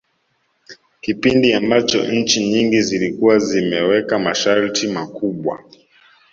Kipindi ambacho nchi nyingi zilikuwa zimeweka masharti makubwa